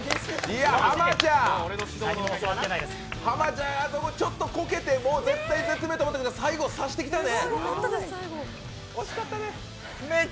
濱ちゃん、こけて絶体絶命と思ったけど、最後、さしてきたね。